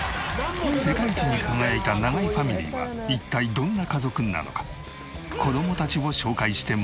世界一に輝いた永井ファミリーは一体どんな家族なのか？